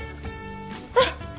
あっ。